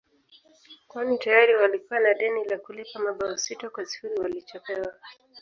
kwani tayari walikuwa na deni la kulipa mabao sita kwa sifuri walichopewa